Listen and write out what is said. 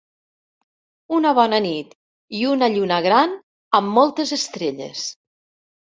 Una bona nit i una lluna gran amb moltes estrelles.